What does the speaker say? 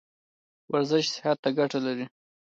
ورزش صحت ته ګټه لري